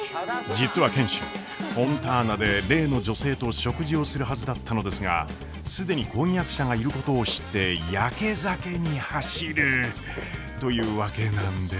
実は賢秀フォンターナで例の女性と食事をするはずだったのですが既に婚約者がいることを知ってやけ酒に走るというわけなんです。